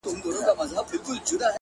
• د هغه له معنا او مفهوم څخه عاجز سي ,